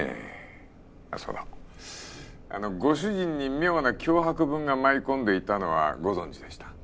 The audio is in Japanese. そうだご主人に妙な脅迫文が舞い込んでいたのはご存じでした？